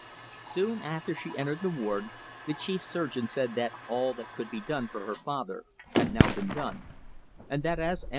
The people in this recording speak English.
Soon after she entered the ward, the chief surgeon said that all that could be done for her father had now been done, and that as M.